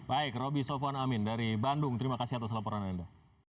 baik roby sofwan amin dari bandung terima kasih atas laporan anda